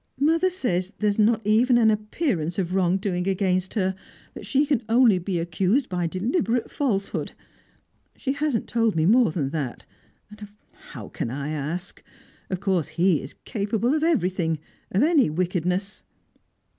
"Mother says there is not even an appearance of wrong doing against her that she can only be accused by deliberate falsehood. She hasn't told me more than that and how can I ask? Of course he is capable of everything of any wickedness!"